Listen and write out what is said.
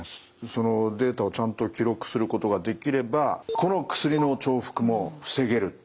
そのデータをちゃんと記録することができれば薬の重複も防げるという。